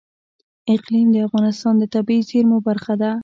اقلیم د افغانستان د طبیعي زیرمو برخه ده.